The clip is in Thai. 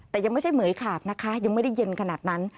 แต่ยังไม่ใช่เหมือยขาบนะคะยังไม่ได้เย็นขนาดนั้น